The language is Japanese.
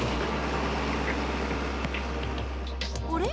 あれ？